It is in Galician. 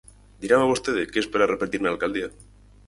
Dirame vostede que espera repetir na alcaldía.